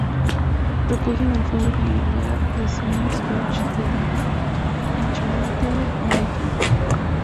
Reposa en el feudo familiar de Saint-Georges-de-Didonne, en Charente-Maritime.